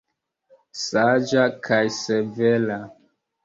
Saĝa kaj severa.